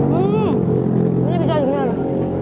hmm ini bisa juga ya